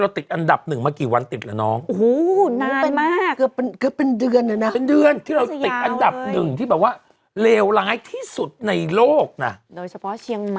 เราติดอันดับหนึ่งมันกี่วันติดละน้อง